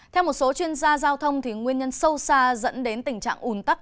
theo một số chuyên gia giao thông nguyên nhân sâu xa dẫn đến tình trạng ủn tắc